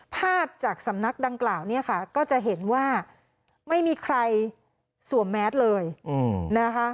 ภาพจากสำนักดังกล่าวเนี่ยค่ะก็จะเห็นว่าไม่มีใครสวมแมสเลยนะคะ